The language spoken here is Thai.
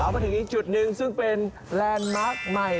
มาถึงอีกจุดหนึ่งซึ่งเป็นแลนด์มาร์คใหม่